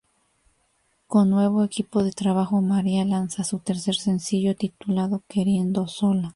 Con nuevo equipo de trabajo, Maria lanza su tercer sencillo titulado Queriendo Sola.